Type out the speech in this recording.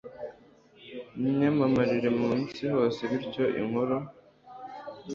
ryamamariye munsi hose, bityo inkuru